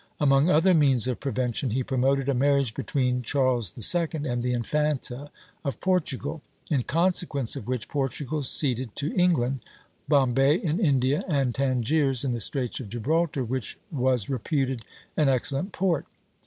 Among other means of prevention he promoted a marriage between Charles II. and the Infanta of Portugal, in consequence of which Portugal ceded to England, Bombay in India, and Tangiers in the Straits of Gibraltar, which was reputed an excellent port.